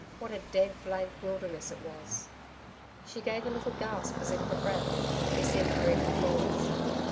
What a dead blank wilderness it was!' She gave a little gasp as if for breath. He seemed to read her thoughts.